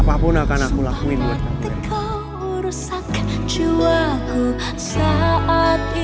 apapun akan aku lakuin buat kamu